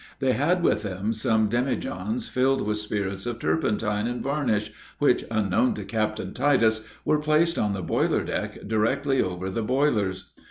They had with them some demijohns filled with spirits of turpentine and varnish, which, unknown to Captain Titus, were placed on the boiler deck directly over the boilers.